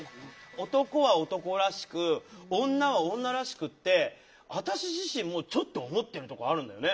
男は男らしく女は女らしくって私自身もちょっと思ってるとこあるのよね。